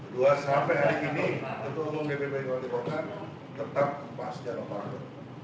dua sampai hari ini ketua umum dpp bokar bokar tetap pas jano pakdo